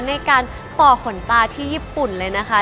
ในการต่อขนตาที่ญี่ปุ่นเลยนะคะ